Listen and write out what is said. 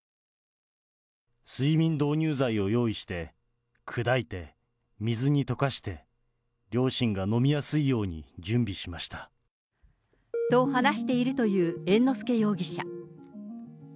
睡眠導入剤を用意して、砕いて、水に溶かして、両親が飲みやすいように準備しました。と話しているという猿之助容疑者。